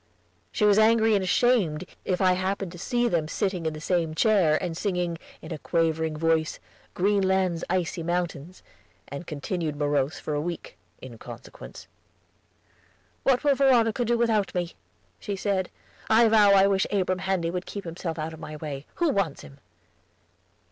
She was angry and ashamed, if I happened to see them sitting in the same chair, and singing, in a quavering voice, "Greenland's Icy Mountains," and continued morose for a week, in consequence. "What will Veronica do without me?" she said. "I vow I wish Abram Handy would keep himself out of my way; who wants him?"